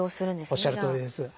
おっしゃるとおりです。